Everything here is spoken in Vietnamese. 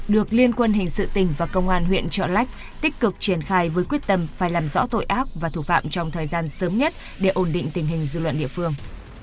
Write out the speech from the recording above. được liên quân hình sự tỉnh và công an huyện trợ lách tích cực triển khai với quyết tâm phải làm rõ tội ác và thủ phạm trong thời gian sớm nhất để ổn định tình hình dư luận địa phương